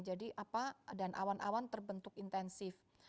jadi awan awan terbentuk intensif